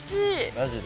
マジで？